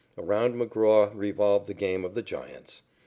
Around McGraw revolved the game of the Giants.